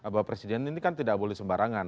bahwa presiden ini kan tidak boleh sembarangan